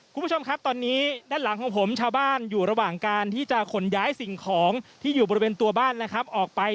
คุณผู้ชมครับตอนนี้ด้านหลังของผมชาวบ้านอยู่ระหว่างการที่จะขนย้ายสิ่งของที่อยู่บริเวณตัวบ้านนะครับออกไป